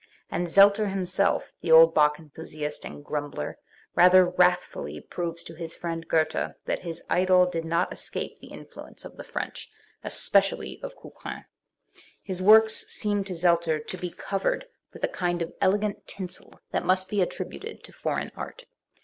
And Zelter himself, the old Bach enthusiast and grumbler, rather wrathfiilly proves to his friend Goethe that his idol did not escape the influence of the French, "especially of Couperin", His works seem to Zelter to be covered with XII Preface to the German Edition (1908,) a kind of elegant "tinsel" that must be attributed to foreign art.